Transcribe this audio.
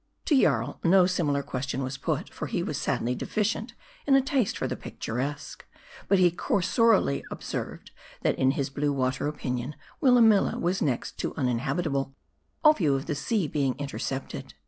To Jarl, no similar question was put ; for he was sadly deficient in a taste for the picturesque. But he cursorily observed, that in his blue water opinion, Willamilla was next to uninhabitable, all view of the sea being intercepted.